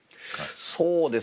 そうですね。